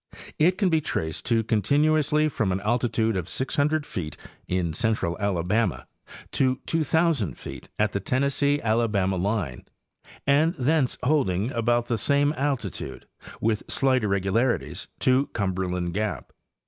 It can be traced continu ously from an altitude of 600 feet in central Alabama to 2,000 feet at the Tennessee Alabama line, and thence holding about the same altitude, with slight irregularities, to Cumberland gap.